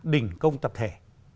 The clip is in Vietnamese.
đỉnh công tập thể